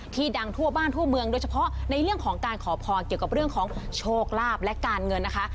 ดังทั่วบ้านทั่วเมืองโดยเฉพาะในเรื่องของการขอพรเกี่ยวกับเรื่องของโชคลาภและการเงินนะคะ